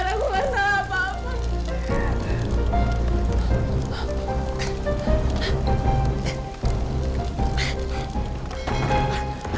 aku gak salah apa apa